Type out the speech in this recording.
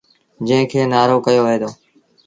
جݩهݩ کي نآرو ڪهيو وهي دو۔